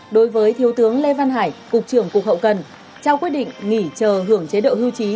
đối với thiếu tướng lê văn hải cục trưởng cục hậu cần trao quyết định nghỉ chờ hưởng chế độ hưu trí